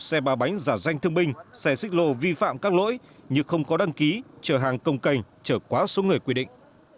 xe bà bánh giả danh thương binh xe xích lồ vi phạm các lỗi như không có đăng ký chở hàng công cành chở quá số người quy định